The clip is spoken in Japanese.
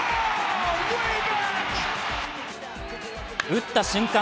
打った瞬間